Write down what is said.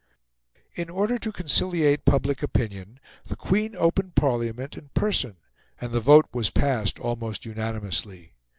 In order to conciliate public opinion, the Queen opened Parliament in person, and the vote was passed almost unanimously.